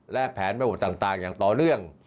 และแผนระบบต่างอย่างต่อเนื่อง